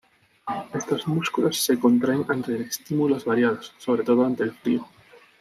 Estos músculos se contraen ante estímulos variados, sobre todo ante el frío.